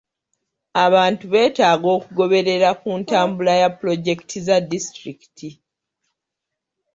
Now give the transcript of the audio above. Abantu betaaga okugoberera ku ntambula ya pulojekiti za disitulikiti.